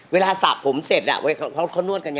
เวลาสะผมเสร็จอ่ะเค้านวดกันอย่างไร